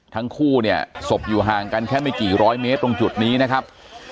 ทั้งคู่เนี่ยศพอยู่ห่างกันแค่ไม่กี่ร้อยเมตรตรงจุดนี้นะครับ